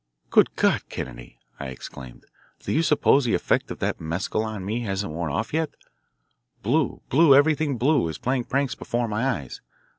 "Good God, Kennedy," I exclaimed, "do you suppose the effect of that mescal on me hasn't worn off yet? Blue, blue everything blue is playing pranks before my eyes.